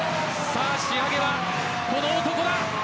仕上げは、この男だ。